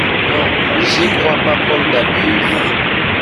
J'y crois pas comme t'abuses!